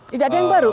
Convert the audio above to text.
tidak ada yang baru